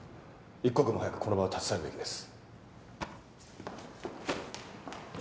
一刻も早くこの場を立ち去るべきです。